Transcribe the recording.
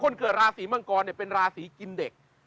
เกิดราศีมังกรเป็นราศีกินเด็ก